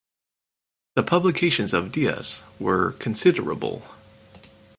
The publications of Dias were considerable.